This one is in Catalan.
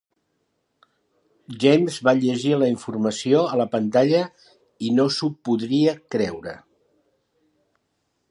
James va llegir la informació a la pantalla i no s'ho podria creure.